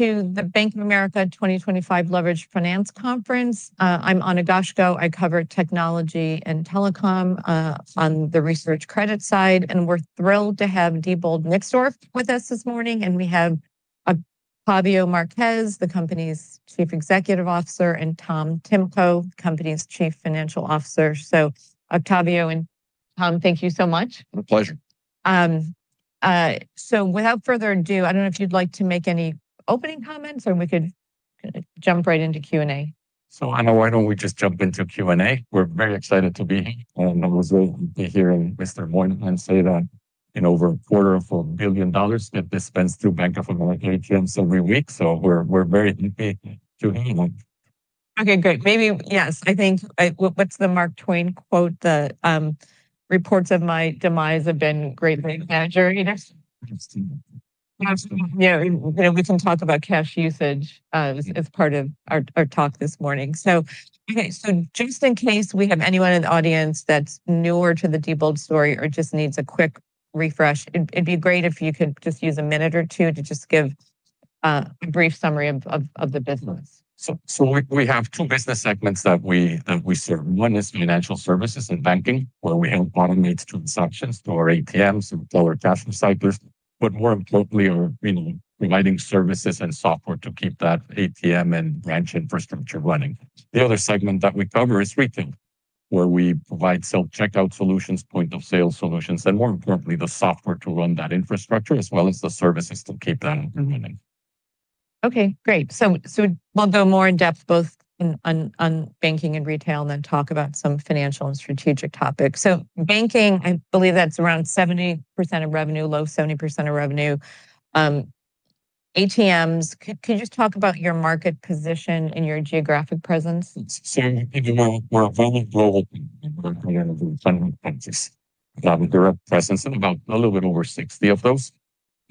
To the Bank of America 2025 Leveraged Finance Conference. I'm Ana Goshko. I cover technology and telecom on the research credit side, and we're thrilled to have Diebold Nixdorf with us this morning, and we have Octavio Marquez, the company's Chief Executive Officer, and Thomas Timko, the company's Chief Financial Officer, so Octavio and Tom, thank you so much. My pleasure. So, without further ado, I don't know if you'd like to make any opening comments, or we could jump right into Q&A. So, Ana, why don't we just jump into Q&A? We're very excited to be here, and I was very happy hearing [Mr. Mahoney] say that over [$404] million get dispensed through Bank of America ATMs every week. So, we're very happy to hear that. Okay, great. Maybe, yes, I think what's the Mark Twain quote? "The reports of my demise have been greatly exaggerated. Interesting. Yeah, we can talk about cash usage as part of our talk this morning. So, okay, so just in case we have anyone in the audience that's newer to the Diebold story or just needs a quick refresh, it'd be great if you could just use a minute or two to just give a brief summary of the business. We have two business segments that we serve. One is financial services and banking, where we help automate transactions to our ATMs and teller cash recyclers, but more importantly, we're providing services and software to keep that ATM and branch infrastructure running. The other segment that we cover is retail, where we provide self-checkout solutions, point-of-sale solutions, and more importantly, the software to run that infrastructure, as well as the services to keep that running. Okay, great. So, we'll go more in depth both on banking and retail and then talk about some financial and strategic topics. So, banking, I believe that's around 70% of revenue, low 70% of revenue. ATMs, could you just talk about your market position and your geographic presence? We're a very global company. We're a company within the 20 countries. We have a direct presence of about a little bit over 60 of those.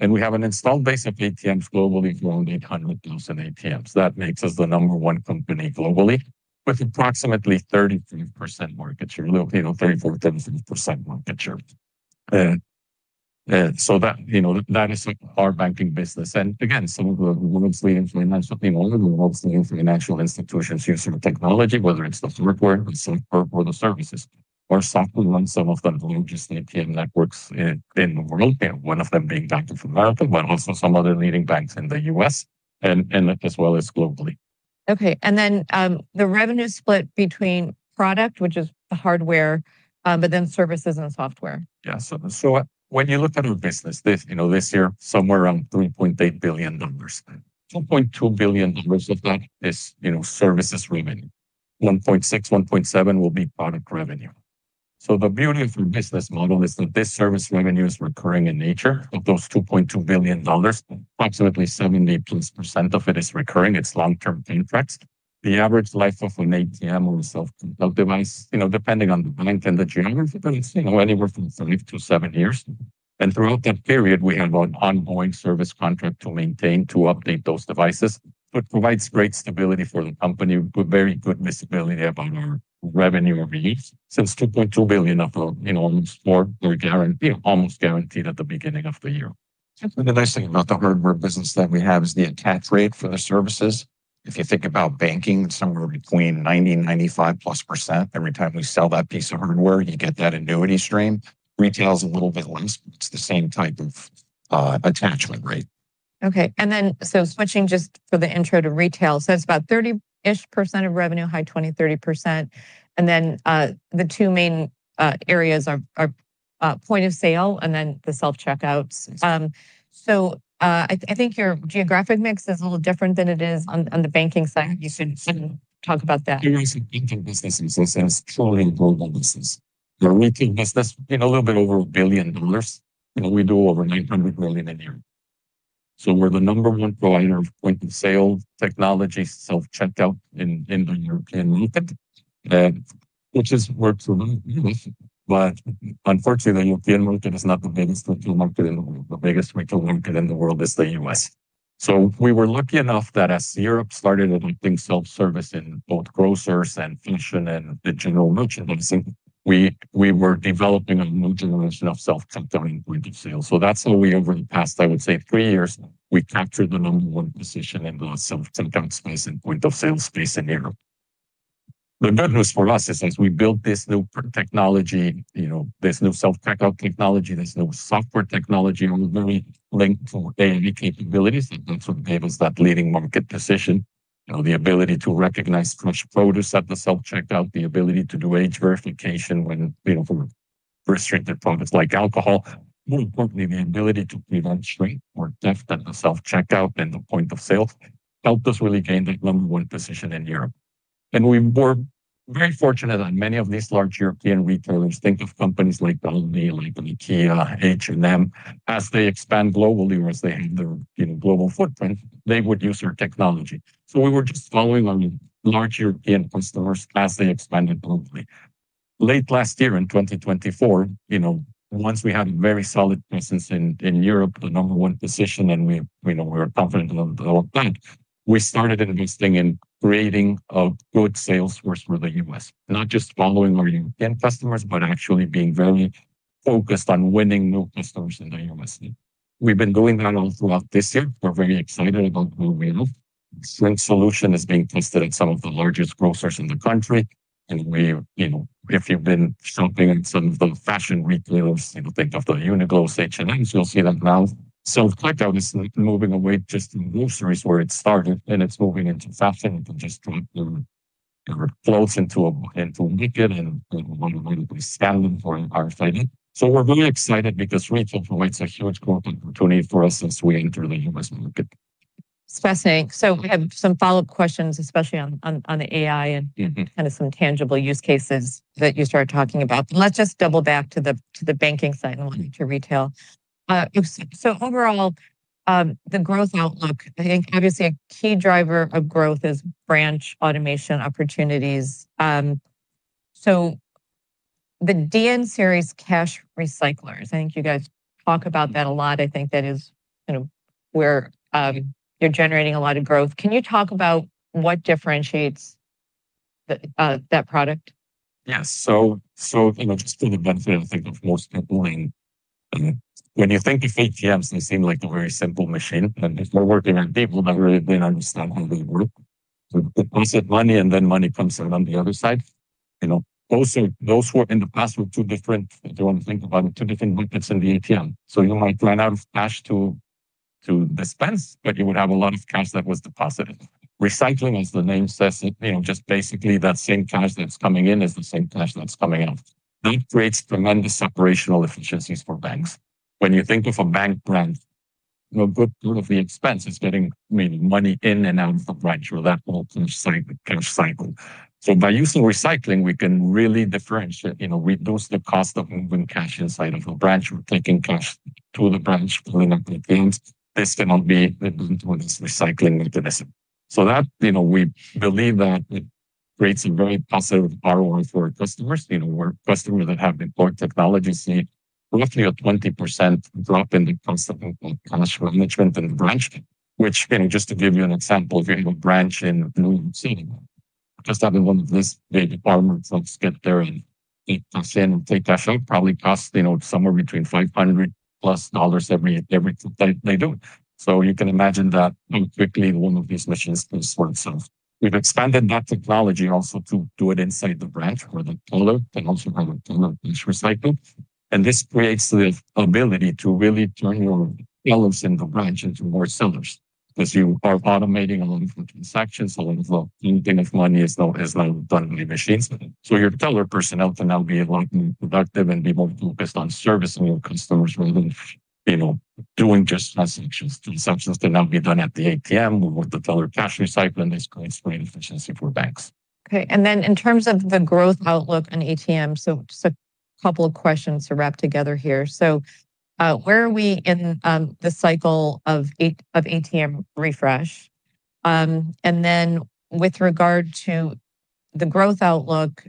We have an installed base of ATMs globally for around 800,000 ATMs. That makes us the number one company globally, with approximately 33%-35% market share. That is our banking business. Again, some of the most leading financial institutions use our technology, whether it's the software or the services, or software on some of the largest ATM networks in the world, one of them being Bank of America, but also some other leading banks in the U.S., and as well as globally. Okay, and then the revenue split between product, which is the hardware, but then services and software. Yeah, so when you look at our business, this year, somewhere around $3.8 billion. $2.2 billion of that is services revenue. $1.6-$1.7 billion will be product revenue. So, the beauty of our business model is that this service revenue is recurring in nature. Of those $2.2 billion, approximately 70% plus of it is recurring. It's long-term contracts. The average life of an ATM or a self-checkout device, depending on the bank and the geography, but it's anywhere from five to seven years. And throughout that period, we have an ongoing service contract to maintain to update those devices, which provides great stability for the company, with very good visibility about our revenue or reads. Since $2.2 billion of our guarantee, almost guaranteed at the beginning of the year. The nice thing about the hardware business that we have is the attach rate for the services. If you think about banking, it's somewhere between 90% and +95%. Every time we sell that piece of hardware, you get that annuity stream. Retail is a little bit less, but it's the same type of attachment rate. Okay, and then so switching just for the intro to retail, so it's about 30-ish% of revenue, high 20% to 30%. And then the two main areas are point of sale and then the self-checkouts. So, I think your geographic mix is a little different than it is on the banking side. You should talk about that. The nice thing about banking business is it has truly global business. The retail business, a little bit over $1 billion, we do over $900 million a year. So, we're the number one provider of point of sale technology, self-checkout in the European market, which is where we're from. But unfortunately, the European market is not the biggest retail market in the world. The biggest retail market in the world is the U.S. So, we were lucky enough that as Europe started adopting self-service in both grocers and fashion and the general merchandising, we were developing a new generation of self-checkout in point of sale. So, that's how we over the past, I would say, three years, we captured the number one position in the self-checkout space and point of sale space in Europe. The good news for us is as we built this new technology, this new self-checkout technology, this new software technology, we're very linked to AI capabilities. That's what gave us that leading market position, the ability to recognize fresh produce at the self-checkout, the ability to do age verification when restricted products like alcohol, more importantly, the ability to prevent shrink or theft at the self-checkout and the point of sale, helped us really gain that number one position in Europe, and we were very fortunate that many of these large European retailers think of companies like, H&M, as they expand globally or as they have their global footprint, they would use our technology, so we were just following our [large European customers] as they expanded globally. Late last year in 2024, once we had a very solid presence in Europe, the number one position, and we were confident about that, we started investing in creating a good sales force for the U.S., not just following our European customers, but actually being very focused on winning new customers in the U.S. We've been doing that all throughout this year. We're very excited about where we are. The shrink solution is being tested at some of the largest grocers in the country. If you've been shopping at some of the fashion retailers, think of Uniqlo, H&M, you'll see that now. Self-checkout is moving away just from groceries where it started, and it's moving into fashion. It just flows into a market and automatically scans for shrink. We're very excited because retail provides a huge growth opportunity for us as we enter the U.S. market. Fascinating. So, we have some follow-up questions, especially on the AI and kind of some tangible use cases that you started talking about. Let's just double back to the banking side and now to retail. So, overall, the growth outlook, I think obviously a key driver of growth is branch automation opportunities. So, the DN Series cash recyclers, I think you guys talk about that a lot. I think that is where you're generating a lot of growth. Can you talk about what differentiates that product? Yeah, so just for the benefit of most people, when you think of ATMs, they seem like a very simple machine, and if you're talking to people, they really don't understand how they work. They put money in, and then money comes out on the other side. Those in the past were two different, if you want to think about it, two different markets in the ATM, so you might run out of cash to dispense, but you would have a lot of cash that was deposited. Recycling, as the name says, just basically that same cash that's coming in is the same cash that's coming out. That creates tremendous operational efficiencies for banks. When you think of a bank branch, a good part of the expense is getting money in and out of the branch or that whole cash cycle. By using recycling, we can really differentiate. We reduce the cost of moving cash inside of a branch. We're taking cash to the branch, filling up the ATMs. This cost cannot be reduced with this recycling mechanism. We believe that it creates a very positive ROI for our customers. Our customers that have the core technology see roughly a 20% drop in the cost of cash management in the branch. Which, just to give you an example, if you have a branch in New York City, just having one of these big armored trucks get there and take cash in and take cash out probably costs somewhere between $500 plus every time they do it. You can imagine that quickly one of these machines can pay for itself. We've expanded that technology also to do it inside the branch where the teller can also have a teller cash recycling. And this creates the ability to really turn your tellers in the branch into more sellers because you are automating a lot of the transactions, a lot of the handling of money is now done by machines. So, your teller personnel can now be a lot more productive and be more focused on servicing your customers rather than doing just transactions. Transactions can now be done at the ATM with the teller cash recycling. This creates great efficiency for banks. Okay, and then in terms of the growth outlook on ATMs, so just a couple of questions to wrap together here, so where are we in the cycle of ATM refresh? And then with regard to the growth outlook,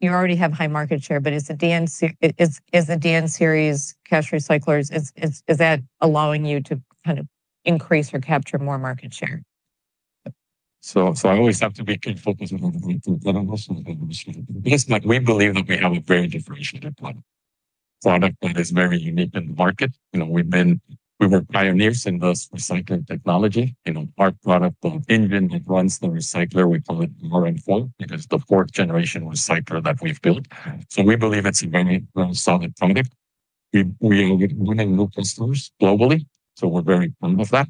you already have high market share, but is the DN Series cash recyclers, is that allowing you to kind of increase or capture more market share? I always have to be focused on the market. We believe that we have a very differentiated product. Product that is very unique in the market. We were pioneers in this recycling technology. Our product, the engine that runs the recycler, we call it [RM4]. It is the fourth generation recycler that we've built. We believe it's a very solid product. We are winning new customers globally, so we're very proud of that.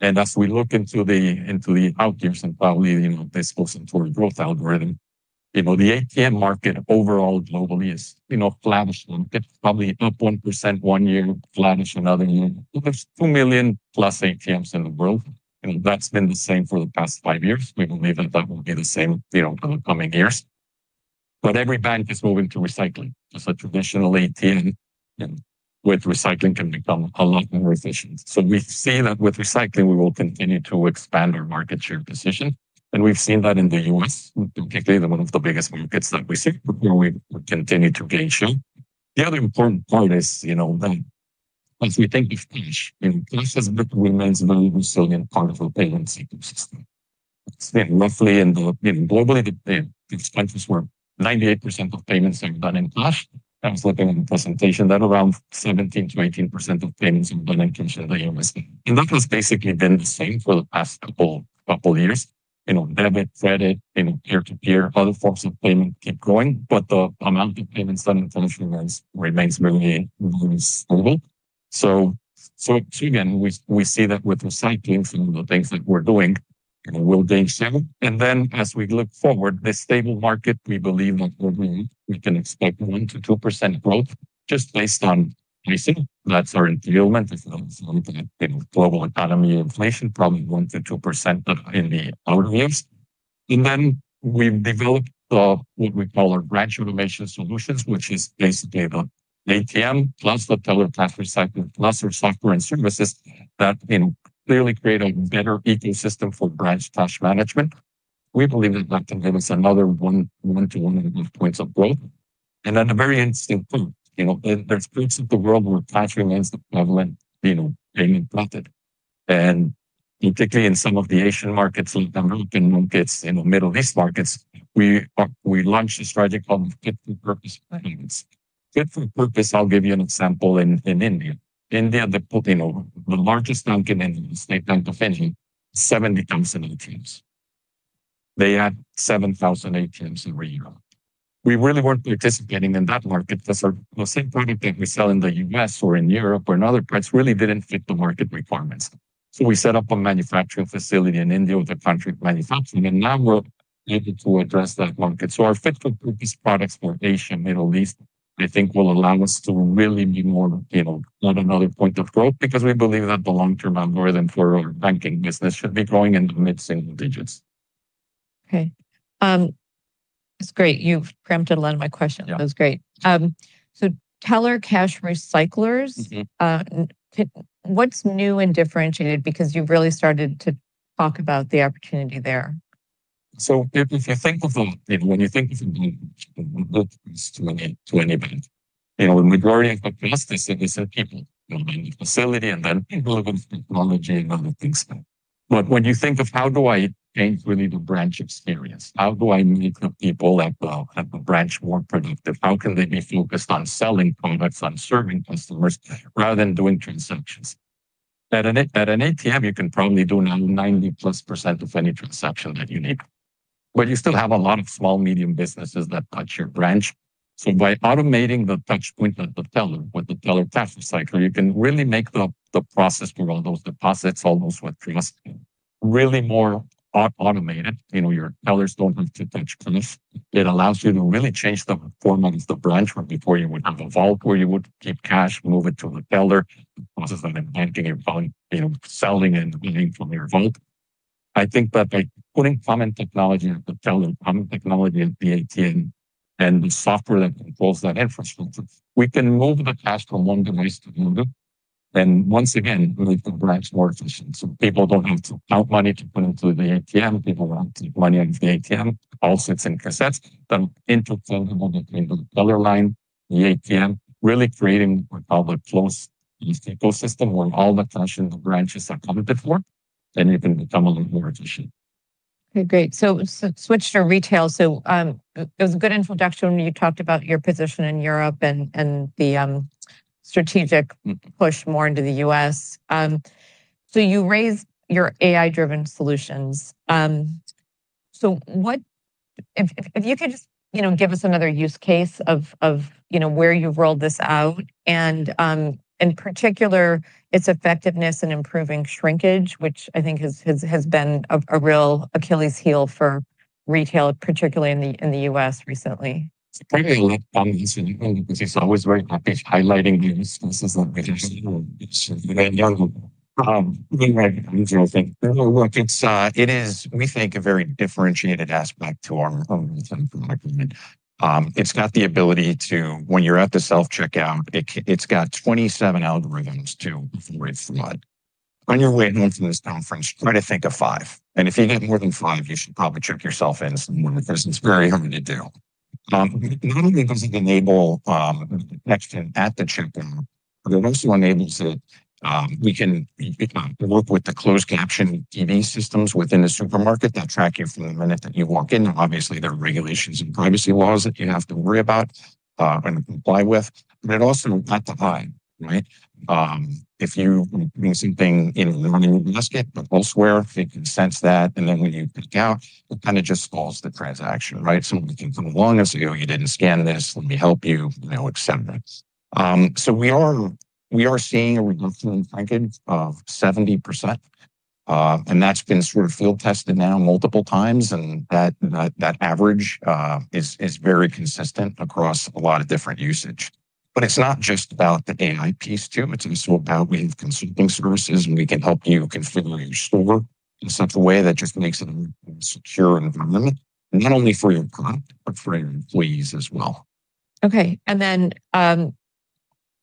As we look into the out years and probably this goes into our growth algorithm, the ATM market overall globally is a flat-ish market, probably up 1% one year, flat-ish another year. There's 2 million plus ATMs in the world. That's been the same for the past five years. We believe that that will be the same in the coming years. Every bank is moving to recycling. So, traditionally, ATM with recycling can become a lot more efficient. So, we see that with recycling, we will continue to expand our market share position. And we've seen that in the U.S., particularly one of the biggest markets that we see, where we continue to gain, too. The other important part is that as we think of cash, cash has remained a very resilient part of the payments ecosystem. Roughly, globally, in these countries where 98% of payments are done in cash, as I've shown in the presentation, around 17%-18% of payments are done in cash in the U.S. And that has basically been the same for the past couple of years. Debit, credit, peer-to-peer, other forms of payment keep growing, but the amount of payments done in cash remains very stable. Again, we see that with recycling some of the things that we're doing, we'll grow too. And then, as we look forward to this stable market, we believe that we can expect 1% to 2% growth just based on pricing. That's in line with global economic inflation, probably 1% to 2% in the outer years, and then we've developed what we call our branch automation solutions, which is basically the ATM plus the teller cash recycling plus our software and services that clearly create a better ecosystem for branch cash management. We believe that that can give us another 1% to 1.5% points of growth, and then a very interesting point. There's parts of the world where cash remains the prevalent payment method, and particularly in some of the Asian markets, like the emerging markets, Middle East markets, we launched a strategy called fit-for-purpose payments. I'll give you an example in India. India, the largest bank in India, the State Bank of India, has 70,000 ATMs. They have 7,000 ATMs every year. We really weren't participating in that market because the same product that we sell in the U.S. or in Europe or in other parts really didn't fit the market requirements. So, we set up a manufacturing facility in India, the country of manufacturing, and now we're able to address that market. So, our fit-for-purpose products for Asia, Middle East, I think will allow us to really be more at another point of growth because we believe that the long-term algorithm for our banking business should be growing in the mid-single digits. Okay. That's great. You've crammed a lot of my questions. That was great. So, teller cash recyclers, what's new and differentiated because you've really started to talk about the opportunity there? So, if you think of, when you think of a good place for any bank, the majority of the cost is in the people, in the facility, and then people are going to technology and other things. But when you think of how do I change really the branch experience? How do I make the people at the branch more productive? How can they be focused on selling products, on serving customers rather than doing transactions? At an ATM, you can probably do now 90+% of any transaction that you need. But you still have a lot of small, medium businesses that touch your branch. So, by automating the touch point of the teller with the teller cash recycler, you can really make the process for all those deposits, all those withdrawals, really more automated. Your tellers don't have to touch cash. It allows you to really change the performance of the branch where before you would have a vault where you would keep cash, move it to the teller, process that in banking. You're probably spending and earning from your vault. I think that by putting common technology at the teller, common technology at the ATM, and the software that controls that infrastructure, we can move the cash from one device to another and once again make the branch more efficient. People don't have to count money to put into the ATM. People don't have to put money into the ATM, all sits in cassettes. Then into the teller, into the teller line, the ATM, really creating a cash flows ecosystem where all the cash in the branches are accounted for. Then you can become a lot more efficient. Okay, great. So, switch to retail. So, it was a good introduction when you talked about your position in Europe and the strategic push more into the U.S. So, you raised your AI-driven solutions. So, if you could just give us another use case of where you've rolled this out, and in particular, its effectiveness in improving shrinkage, which I think has been a real Achilles heel for retail, particularly in the U.S. recently. It's pretty electronic. It's always very happy highlighting the use cases that we have seen. I think it is, we think, a very differentiated aspect to our own product. It's got the ability to, when you're at the self-checkout, it's got 27 algorithms to avoid fraud. On your way home from this conference, try to think of five, and if you get more than five, you should probably check yourself in somewhere because it's very hard to do. Not only does it enable texting at the checkout, but it also enables it, we can work with the closed-circuit TV systems within the supermarket that track you from the minute that you walk in. Obviously, there are regulations and privacy laws that you have to worry about and comply with. But it also not to hide, right? If you're using things in a running basket, but elsewhere, it can sense that. And then when you pick out, it kind of just stalls the transaction, right? Someone can come along and say, "Oh, you didn't scan this. Let me help you," etc. So, we are seeing a reduction in shrink of 70%. And that's been sort of field tested now multiple times. And that average is very consistent across a lot of different usage. But it's not just about the AI piece too. It's also about we have consulting services, and we can help you configure your store in such a way that just makes it a more secure environment, not only for your product, but for your employees as well. Okay, and then,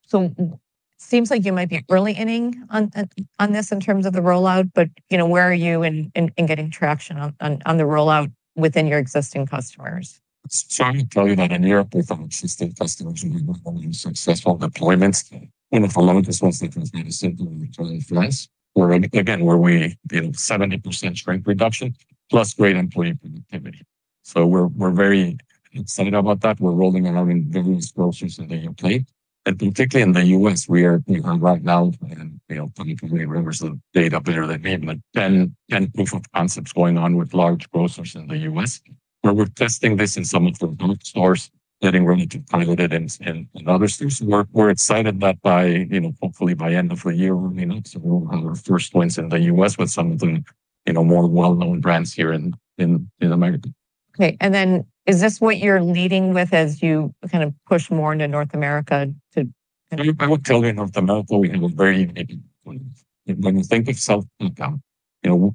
so it seems like you might be early inning on this in terms of the rollout, but where are you in getting traction on the rollout within your existing customers? So, I can tell you that in Europe, we've had consistent customers who have been very successful deployments. For a long distance, they transmitted simply with, where again we have 70% shrink reduction plus great employee productivity. So, we're very excited about that. We're rolling it out in various groceries in the U.K. And particularly in the U.S., we are right now, and I don't remember the data better than me, but 10 proof of concepts going on with large grocers in the U.S., where we're testing this in some of the drug stores, getting ready to pilot it in other stores. We're excited that by, hopefully, by end of the year, we'll have our first points in the U.S. with some of the more well-known brands here in America. Okay. And then, is this what you're leading with as you kind of push more into North America? I would tell you in North America, we have a very, when you think of self-checkout,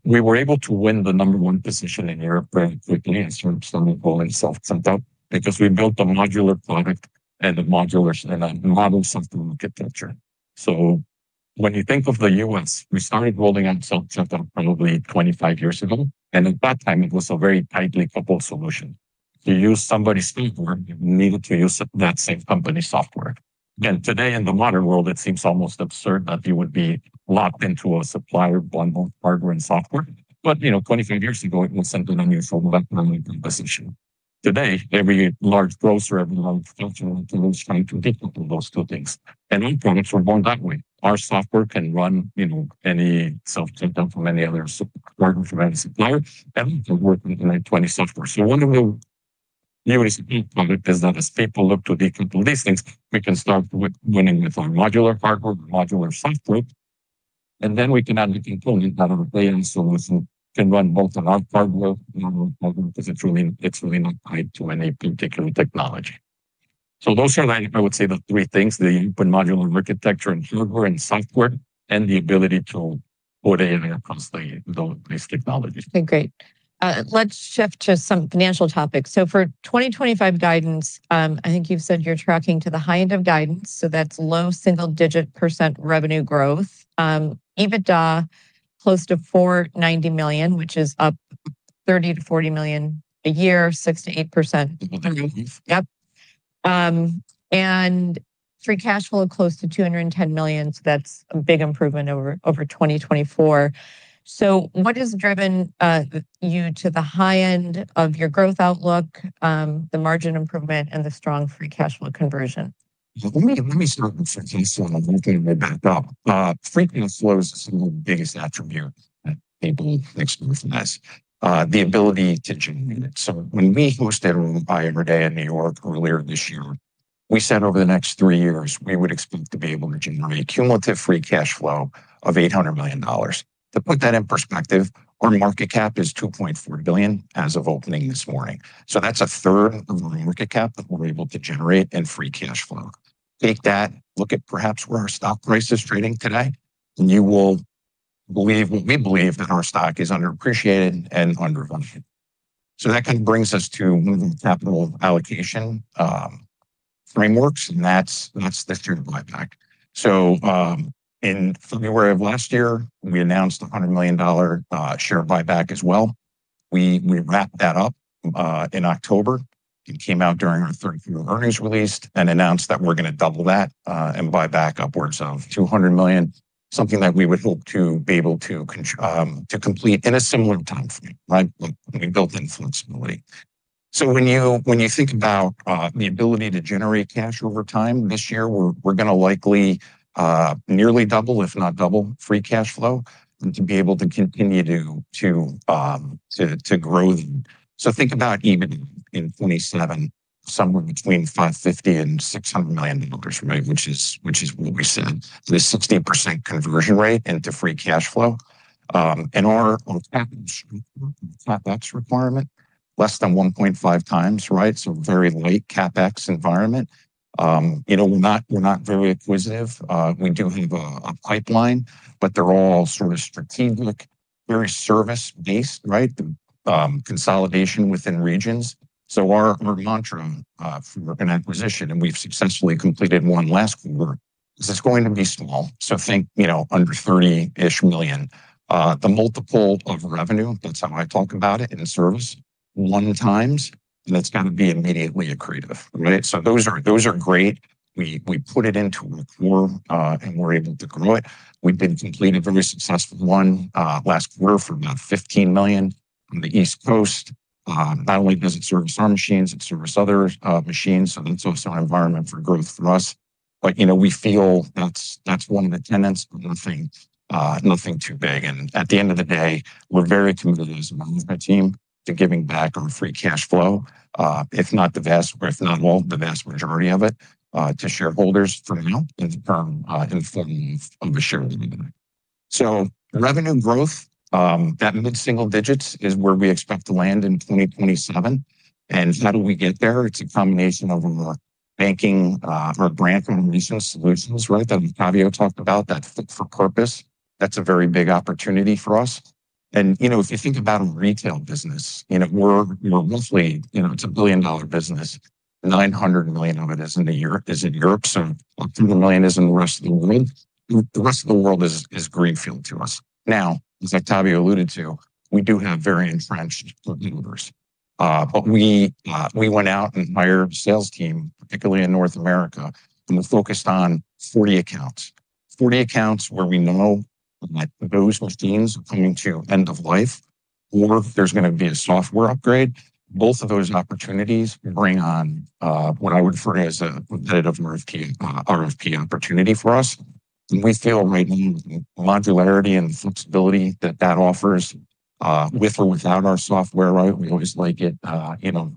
we were able to win the number one position in Europe very quickly in terms of something called self-checkout because we built a modular product and a modular model software architecture. So, when you think of the U.S., we started rolling out self-checkout probably 25 years ago. And at that time, it was a very tightly coupled solution. To use somebody's software, you needed to use that same company's software. And today, in the modern world, it seems almost absurd that you would be locked into a supplier bundled hardware and software. But 25 years ago, it was something on your phone bank position. Today, every large grocer, every large cashier in the world is trying to get into those two things. And our products are more that way. Our software can run any self-checkout from any other supplier and work within a DN software. One of the beauties of this product is that as people look to decouple these things, we can start winning with our modular hardware, modular software. Then we can add the component that our AI solution can run both on our hardware because it's really not tied to any particular technology. Those are, I would say, the three things: the open modular architecture and hardware and software, and the ability to put AI across these technologies. Okay, great. Let's shift to some financial topics. So, for 2025 guidance, I think you've said you're tracking to the high end of guidance. So, that's low single-digit % revenue growth. EBITDA close to $490 million, which is up $30 million to $40 million a year, 6% to 8%. There you go. Yep. And free cash flow close to $210 million. So, that's a big improvement over 2024. So, what has driven you to the high end of your growth outlook, the margin improvement, and the strong free cash flow conversion? Let me start with free cash flow so I'm not getting my back up. Free cash flow is some of the biggest attribute that people expect from us. The ability to generate it. So, when we hosted Investor Day in New York earlier this year, we said over the next three years, we would expect to be able to generate cumulative free cash flow of $800 million. To put that in perspective, our market cap is $2.4 billion as of opening this morning. So, that's a third of our market cap that we're able to generate in free cash flow. Take that, look at perhaps where our stock price is trading today, and you will believe what we believe that our stock is underappreciated and undervalued. So, that kind of brings us to capital allocation frameworks, and that's the share buyback. In February of last year, we announced a $100 million share buyback as well. We wrapped that up in October and came out during our third quarter earnings release and announced that we're going to double that and buy back upwards of $200 million, something that we would hope to be able to complete in a similar timeframe, right? We built in flexibility. When you think about the ability to generate cash over time, this year, we're going to likely nearly double, if not double, free cash flow and to be able to continue to grow. Think about even in 2027, somewhere between $550 million and $600 million, right? Which is what we said, the 60% conversion rate into free cash flow. And our CapEx requirement, less than 1.5 times, right? Very light CapEx environment. We're not very acquisitive. We do have a pipeline, but they're all sort of strategic, very service-based, right? The consolidation within regions. So, our mantra for an acquisition, and we've successfully completed one last quarter, is it's going to be small. So, think under $30-ish million. The multiple of revenue, that's how I talk about it in service, one times, and that's got to be immediately accretive, right? So, those are great. We put it into a core and we're able to grow it. We've been completing very successful one last quarter for about $15 million on the East Coast. Not only does it service our machines, it serves other machines, so it's an environment for growth for us. But we feel that's one of the tenets, but nothing too big. At the end of the day, we're very committed as a management team to giving back our free cash flow, if not the vast, or if not all the vast majority of it, to shareholders for now in the form of a shareholder buyback. Revenue growth, that mid-single digits is where we expect to land in 2027. How do we get there? It's a combination of our banking or brand foundation solutions, right? That Octavio talked about, that fit for purpose. That's a very big opportunity for us. If you think about a retail business, we're roughly, it's a $1-billion business. $900 million of it is in Europe. A few million is in the rest of the world. The rest of the world is greenfield to us. Now, as Octavio alluded to, we do have very entrenched customers. But we went out and hired a sales team, particularly in North America, and we focused on 40 accounts. 40 accounts where we know that those machines are coming to end of life or there's going to be a software upgrade. Both of those opportunities bring on what I would refer to as a competitive RFP opportunity for us. And we feel right now with the modularity and the flexibility that that offers with or without our software, right? We always like it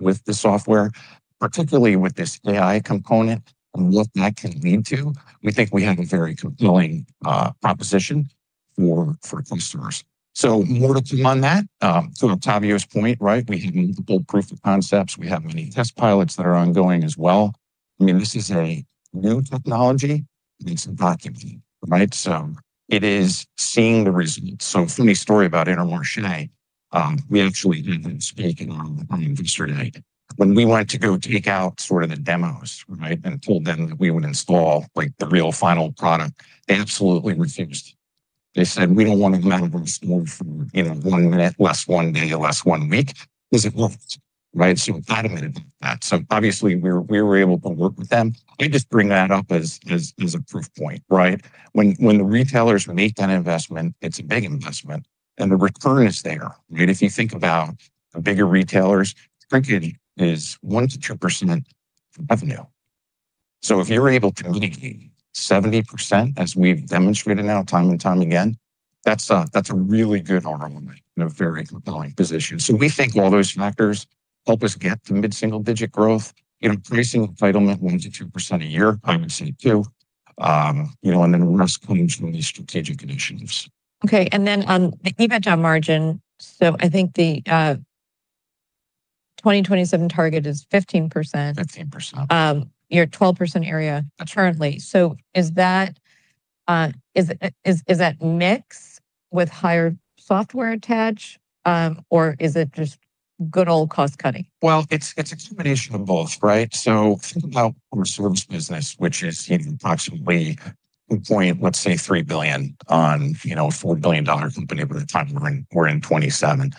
with the software, particularly with this AI component and what that can lead to. We think we have a very compelling proposition for customers. So, more to come on that. To Octavio's point, right? We have multiple proof of concepts. We have many test pilots that are ongoing as well. I mean, this is a new technology. It's a document, right? So, it is seeing the results. So, funny story about [ATM machine]. We actually had them speaking on yesterday. When we went to go take out sort of the demos, right, and told them that we would install the real final product, they absolutely refused. They said, "We don't want to go out of our store for one minute, less one day, less one week." Because it works, right? So, we're adamant about that. So, obviously, we were able to work with them. I just bring that up as a proof point, right? When the retailers make that investment, it's a big investment. And the return is there, right? If you think about the bigger retailers, shrink is 1%-2% revenue. So, if you're able to meet 70%, as we've demonstrated now time and time again, that's a really good ROI and a very compelling position. So, we think all those factors help us get to mid-single digit growth. Pricing entitlement 1%-2% a year, I would say too. And then the rest comes from these strategic initiatives. Okay, and then the EBITDA margin, so I think the 2027 target is 15%. 15%. Your 12% area currently. So, is that mix with higher software attached, or is it just good old cost cutting? It's a combination of both, right? Think about our service business, which is approximately $2.3 billion on a $4 billion company over the time we're in 2027.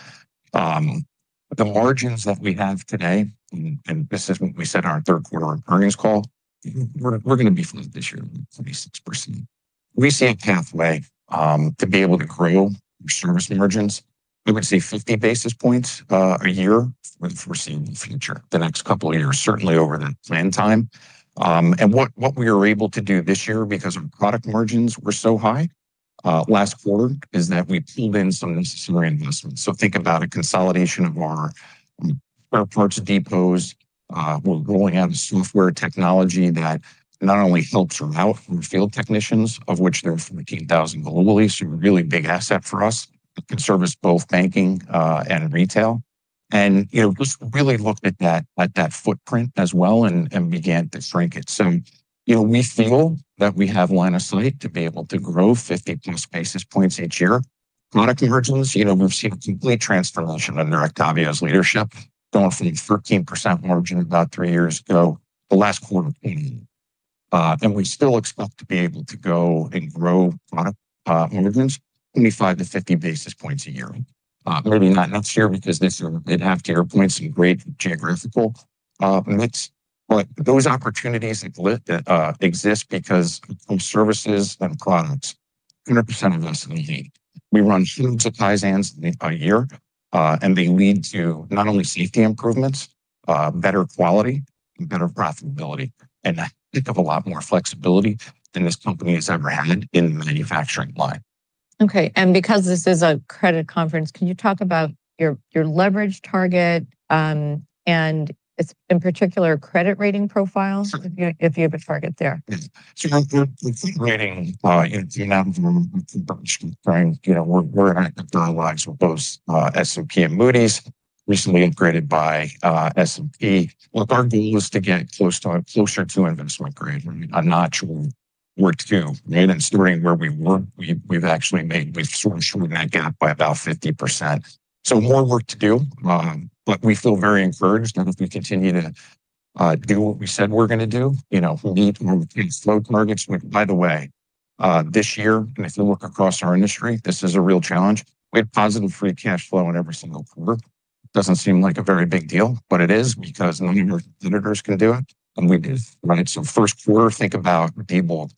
The margins that we have today, and this is what we said in our third quarter earnings call, we're going to be flat this year at 26%. We see a pathway to be able to grow our service margins. I would say 50 basis points a year for the foreseeable future, the next couple of years, certainly over that planned time. What we were able to do this year because our product margins were so high last quarter is that we pulled in some necessary investments. Think about a consolidation of our spare parts depots. We're rolling out a software technology that not only helps route our field technicians, of which there are 14,000 globally, so a really big asset for us. It can service both banking and retail and just really looked at that footprint as well and began to shrink it, so we feel that we have line of sight to be able to grow 50 plus basis points each year. Product margins, we've seen a complete transformation under Octavio's leadership. We're going from 13% margin about three years ago to last quarter 20%, and we still expect to be able to go and grow product margins 25 to 50 basis points a year. Maybe not next year because this year we did have two airplanes and greater geographical mix, but those opportunities exist because from services and products, 100% of us need. We run huge supply chains a year, and they lead to not only safety improvements, better quality, and better profitability, and a heck of a lot more flexibility than this company has ever had in the manufacturing line. Okay, and because this is a credit conference, can you talk about your leverage target and in particular credit rating profile if you have a target there? So, your credit rating, if you're not familiar with the brokerage community, we're at a third line with both S&P and Moody's, recently upgraded by S&P. Look, our goal is to get closer to investment grade. I'm not sure we're there, right? And starting where we were, we've actually sort of shortened that gap by about 50%. So, more work to do, but we feel very encouraged. And if we continue to do what we said we're going to do, we'll meet our cash flow targets. By the way, this year, and if you look across our industry, this is a real challenge. We have positive free cash flow in every single quarter. Doesn't seem like a very big deal, but it is because none of our competitors can do it. And we did, right? So, first quarter. Think about, people,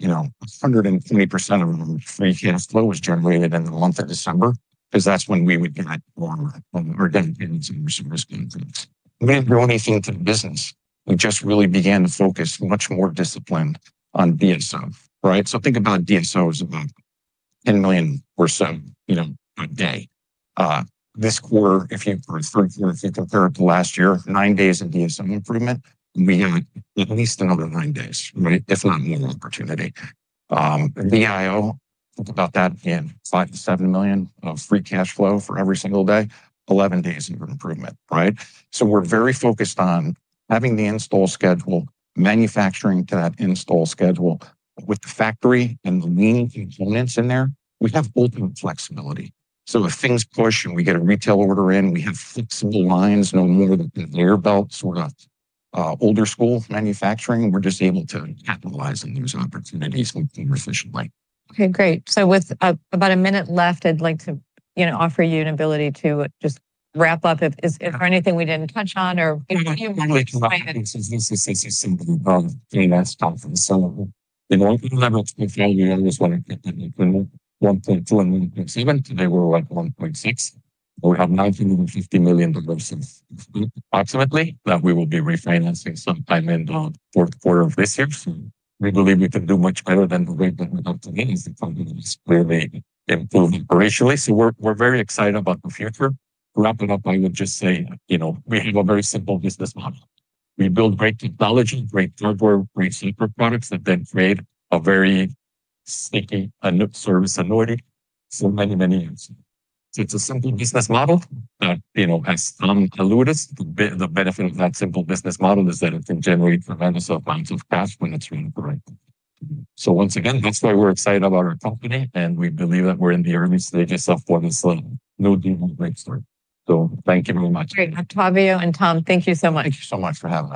120% of our free cash flow was generated in the month of December because that's when we would get our dedicated service margins. We didn't grow anything to the business. We just really began to focus much more disciplined on DSO, right? So, think about DSO is about $10 million or so a day. This quarter, if you or third quarter, if you compare it to last year, nine days of DSO improvement. We got at least another nine days, right? If not more opportunity. VIO. Think about that in $5-$7 million of free cash flow for every single day, 11 days of improvement, right? So, we're very focused on having the install schedule, manufacturing to that install schedule with the factory and the lean components in there. We have ultimate flexibility. So, if things push and we get a retail order in, we have flexible lines no more than a retool, sort of old school manufacturing. We're just able to capitalize on those opportunities more efficiently. Okay, great. So, with about a minute left, I'd like to offer you an ability to just wrap up. Is there anything we didn't touch on or? One of the key things is this is a simple DS conference. So, in order to leverage profile, we always want to get that improvement. 1.2 and 1.7, today we're at 1.6. We have $950 million of improvement approximately that we will be refinancing sometime in the fourth quarter of this year. So, we believe we can do much better than the way that we got to be as the company is clearly improving operationally. So, we're very excited about the future. To wrap it up, I would just say we have a very simple business model. We build great technology, great hardware, great software products that then create a very sticky service annuity for many, many years now. So, it's a simple business model that, as Tom alluded, the benefit of that simple business model is that it can generate tremendous amounts of cash when it's running correctly. So, once again, that's why we're excited about our company, and we believe that we're in the early stages of what is the new deal breakthrough. So, thank you very much. Great. Octavio and Tom, thank you so much. Thank you so much for.